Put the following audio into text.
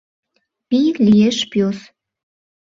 Пий лиеш пёс.